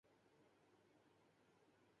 سب کو میک پسند ہیں